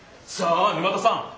さあ沼田さん！